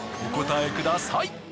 お答えください。